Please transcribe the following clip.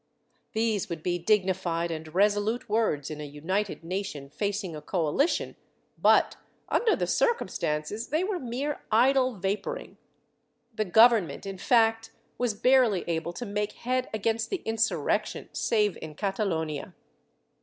^ These would be dignified and resolute words in a united nation facing a coalition but, under the circumstances, they were mere idle vaporing. The Government, in fact, was barely able to make head against the insurrection, save in Catalonia.